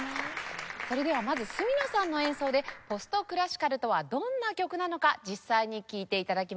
それではまず角野さんの演奏でポストクラシカルとはどんな曲なのか実際に聴いて頂きましょう。